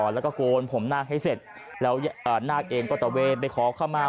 แล้วก็โกนผมนาคให้เสร็จแล้วนาคเองก็ตะเวนไปขอเข้ามา